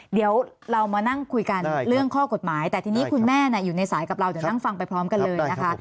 เดี๋ยวเรามานั่งคุยกันเรื่องข้อกฎหมายแต่ทีนี้คุณแม่อยู่ในสายกับเราเดี๋ยวนั่งฟังไปพร้อมกันเลยนะคะ